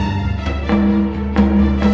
jangan lupa joko tingkir